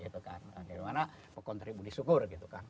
dimana kontribusi disyukur